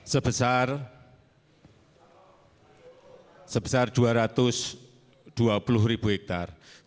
sebesar dua ratus dua puluh ribu hektare